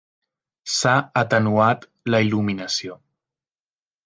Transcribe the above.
S'ha atenuat la il·luminació.